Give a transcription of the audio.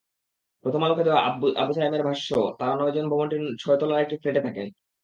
প্রথম আলোকে দেওয়া আবু সায়েমের ভাষ্য, তাঁরা নয়জন ভবনটির ছয়তলার একটি ফ্ল্যাটে থাকেন।